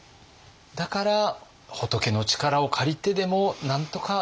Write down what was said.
だから仏の力を借りてでもなんとかおさめたい。